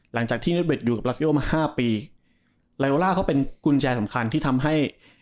หลังจากที่เนสเบ็ดอยู่กับรัสโยมาห้าปีไลโลล่าเขาเป็นกุญแจสำคัญที่ทำให้